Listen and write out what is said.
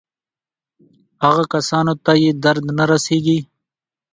هغو کسانو ته یې درد نه رسېږي.